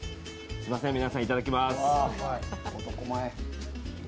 すみません、皆さん、いただきます。